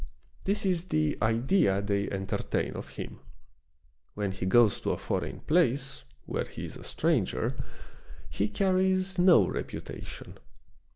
This is the idea they entertain of him. When he goes to a foreign place, where he is a stranger, he carries no reputation.